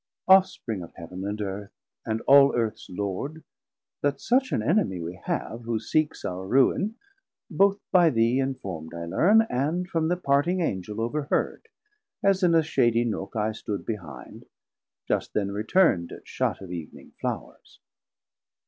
Ofspring of Heav'n and Earth, and all Earths Lord, That such an enemie we have, who seeks Our ruin, both by thee informd I learne, And from the parting Angel over heard As in a shadie nook I stood behind, Just then returnd at shut of Evening Flours.